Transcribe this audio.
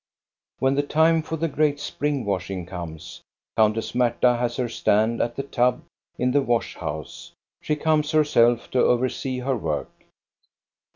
When the time for the great spring washing comes,^ Countess Marta has her stand at the tub in the wash house. She comes herself to oversee her work.